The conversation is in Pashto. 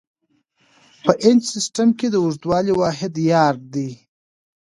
په انچ سیسټم کې د اوږدوالي واحد یارډ دی.